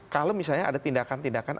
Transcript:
kalau misalnya ada tindakan tindakan